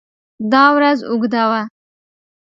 دا ورځ اوږده وه.